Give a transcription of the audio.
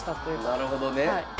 なるほどね。